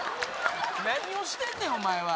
何をしてんねん、お前は。